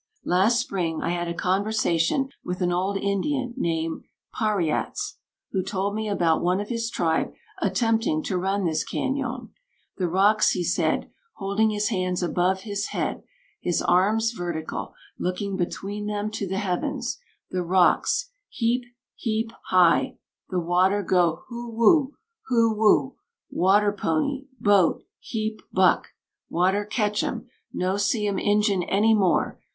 "Last spring, I had a conversation with an old Indian named Pa ri ats, who told me about one of his tribe attempting to run this cañon. 'The rocks,' he said, holding his hands above his head, his arms vertical, looking between them to the heavens 'the rocks h e a p, h e a p high; the water go h oo woogh, h oo woogh! water pony (boat) h e a p buck; water catch 'em; no see 'em Injun any more!